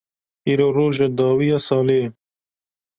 Îro roja dawî ya salê ye.